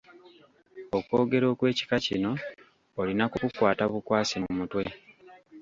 Okwogera okw'ekika kino olina kukukwata bukwasi mu mutwe.